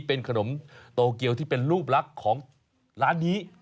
เป็นขนมโตเกียวที่เป็นรูปลักษณ์ของร้านนี้